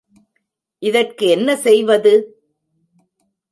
இதற்கு என்ன செய்வது?